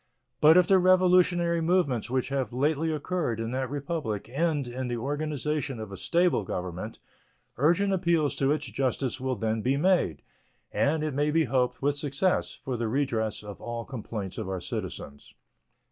But if the revolutionary movements which have lately occurred in that Republic end in the organization of a stable government, urgent appeals to its justice will then be made, and, it may be hoped, with success, for the redress of all complaints of our citizens.